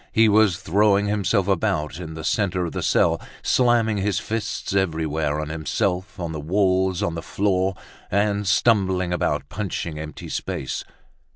He was throwing himself about in the center of the cell, slamming his fists everywhere, on himself, on the walls, on the floor, and stumbling about punching empty space.